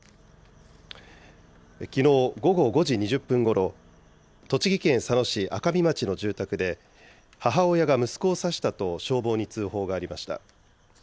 きのう午後５時２０分ごろ、栃木県佐野市赤見町の住宅で、母親が息子を刺したと消防に通報がありました。